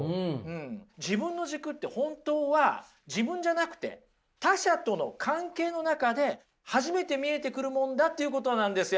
自分の軸って本当は自分じゃなくて他者との関係のなかで初めて見えてくるものだということなんですよ